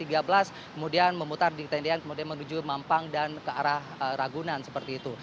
kemudian memutar di tendian kemudian menuju mampang dan ke arah ragunan seperti itu